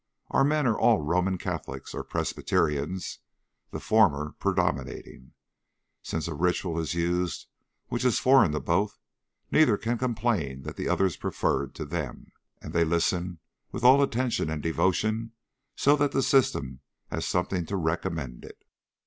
Our men are all Roman Catholics or Presbyterians, the former predominating. Since a ritual is used which is foreign to both, neither can complain that the other is preferred to them, and they listen with all attention and devotion, so that the system has something to recommend it.